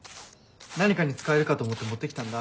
何かに使えるかと思って持って来たんだ。